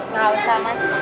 gak usah mas